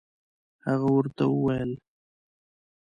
هغه ورته ویل.